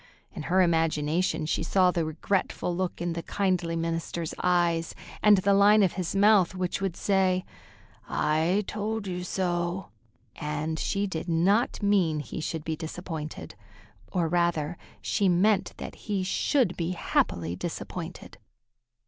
In her imagination she saw the regretful look in the kindly minister's eyes, and the line of his mouth which would say, "I told you so," and she did not mean he should be disappointed. Or, rather, she meant that he should be happily disappointed.